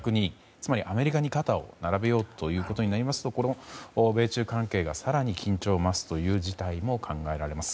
つまり、アメリカに肩を並べようということになりますと米中関係が更に緊張を増すという事態も考えられます。